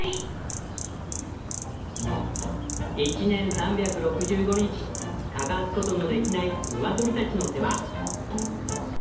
一年３６５日欠かすことのできないニワトリたちの世話。